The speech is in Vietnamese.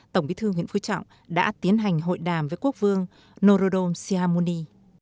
tổng bí thư nguyễn phú trọng đã tiến hành hội đàm với quốc vương norodom sihamoni